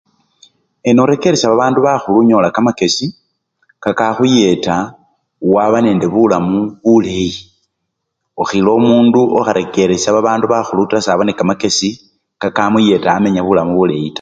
Nenorekeresya babandu bakhulu onyola kamakesi kakakhuyeta ewe waba nende bulamu buleyi, okhila omundu okharekeresya babandu bakhulu taa sikila saba nekamakesi kakamuyeta wamenya bulamu buleyi taa.